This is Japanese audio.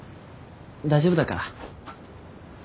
大丈夫だから。